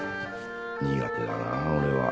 苦手だなあ俺は。